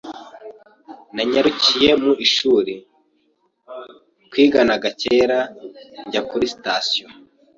Nanyarukiye mu munyeshuri twiganaga kera njya kuri sitasiyo.